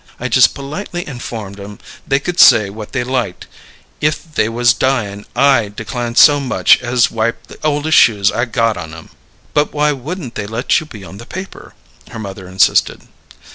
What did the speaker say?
I just politely informed 'em they could say what they liked, if they was dying I declined so much as wipe the oldest shoes I got on 'em!" "But why wouldn't they let you be on the paper?" her mother insisted.